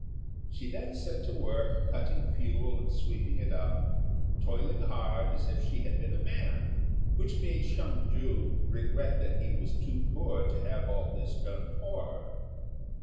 She then set to work cutting fuel and sweeping it up, toiling hard as if she had been a man, which made Hsiang ju regret that he was too poor to have all this done for her.